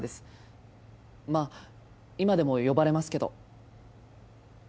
まあ今でも呼ばれますけど。